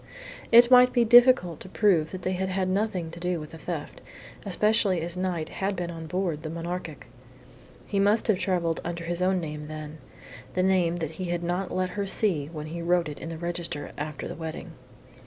It might be difficult to prove that they had had nothing to do with the theft, especially as Knight had been on board the Monarchic. He must have travelled under his own name then, the name that he had not let her see when he wrote it in the register after the wedding.